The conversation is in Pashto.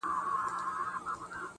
كېداى سي بيا ديدن د سر په بيه وټاكل سي.